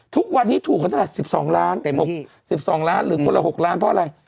ทุกวันนี้ถูกเขาตั้งแต่๑๒ล้าน๖๑๒ล้านหรือคนละ๖ล้านเพราะอะไร